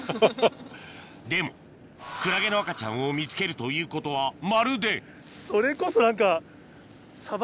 でもクラゲの赤ちゃんを見つけるということはまるでそれこそ何か。